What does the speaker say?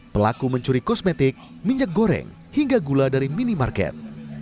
pelaku mencuri kosmetik minyak goreng hingga gula dari minimarket